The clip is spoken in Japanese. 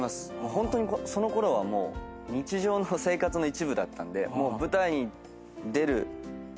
ホントにそのころは日常の生活の一部だったんで。